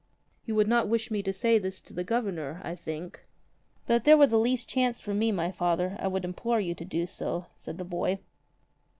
"You would not wish me to say this to the Governor, I think?" "But if there were the least chance for me, mv Father, I would implore you to do so," said the boy.